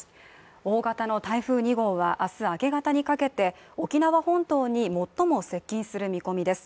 大型の台風２号は明日明け方にかけて沖縄本島に最も接近する見込みです。